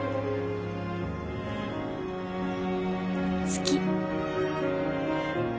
好き